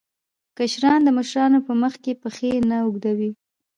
کشران د مشرانو په مخ کې پښې نه اوږدوي.